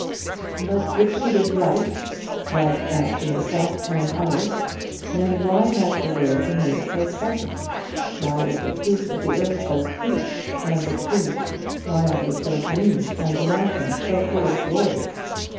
But if she was right, right as to herself and others, then why has the world been made so pleasant? Why is the fruit of the earth so sweet; and the trees, why are they so green; and the mountains so full of glory?